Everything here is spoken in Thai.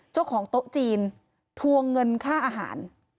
เจ้าของโต๊ะจีนทวงเงินค่าอาหาร